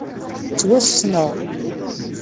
Ttwassneɣ.